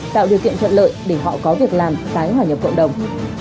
tạo điều kiện thuận lợi để họ có việc làm tái hòa nhập cộng đồng